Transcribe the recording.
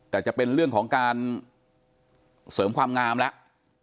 แต่จะเป็นเรื่องของการเสริมความงามแล้ว